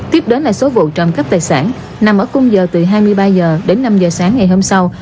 tiếp đến là số vụ trộm cắp tài sản nằm ở cung giờ từ hai mươi ba h đến năm h sáng ngày hôm sau